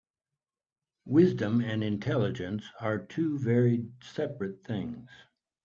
Wisdom and intelligence are two very separate things.